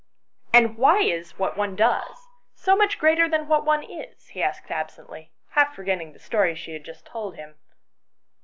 " And why is what one does so much greater than what one is ?" he asked absently, half forgetting the story she had just told him.